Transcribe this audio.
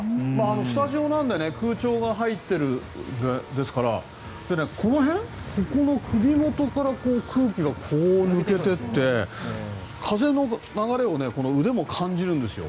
スタジオなんで空調が入ってるですからこの辺、ここの首元から空気がこう抜けてって風の流れを腕も感じるんですよ。